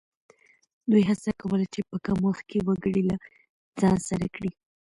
دوی هڅه کوله چې په کم وخت کې وګړي له ځان سره کړي.